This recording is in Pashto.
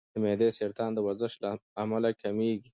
د معدې سرطان د ورزش له امله کمېږي.